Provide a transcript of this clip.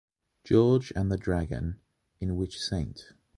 George and the Dragon, in which St..